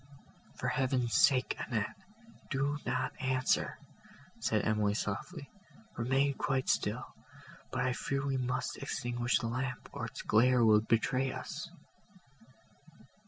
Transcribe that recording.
"For heaven's sake, Annette, do not answer," said Emily softly, "remain quite still; but I fear we must extinguish the lamp, or its glare will betray us."